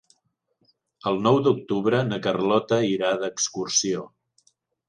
El nou d'octubre na Carlota irà d'excursió.